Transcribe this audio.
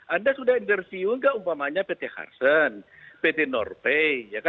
anda sudah interview nggak umpamanya pt harsen pt norpe ya kan